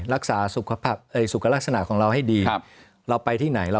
รักษาสุขลักษณะของเราให้ดี